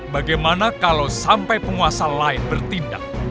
bagaimana kalau sampai penguasa lain bertindak